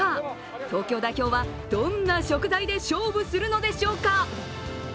東京代表はどんな食材で勝負するのでしょうか。